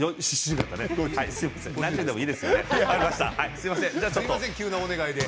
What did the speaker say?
すみません、急なお願いで。